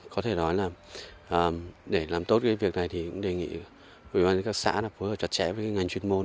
có thể nói là để làm tốt cái việc này thì cũng đề nghị ubnd các xã đã phối hợp chặt chẽ với ngành chuyên môn